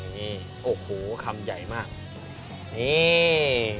นี่โอ้โหคำใหญ่มากนี่